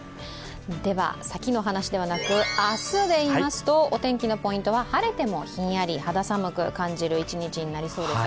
先の話ではなく、明日で言いますと、お天気のポイントは晴れてもひんやり、肌寒く感じる一日になりそうです。